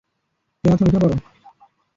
Jonathan, উঠে পড়ো!